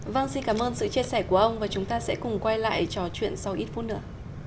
vâng xin cảm ơn sự chia sẻ của ông và chúng ta sẽ cùng quay lại trò chuyện sau ít phút nữa